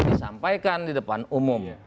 disampaikan di depan umum